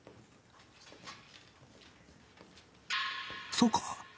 そうか。